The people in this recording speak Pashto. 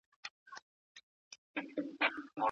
د پوهنځي خاطرې تل پاته وي.